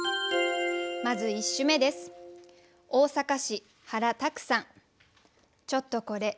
まず１首目です。